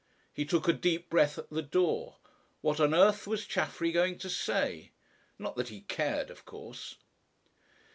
He took a deep breath at the door. What on earth was Chaffery going to say? Not that he cared, of course.